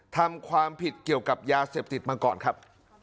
ทำความผิดเกี่ยวกับยาเสพติดมาก่อนครับ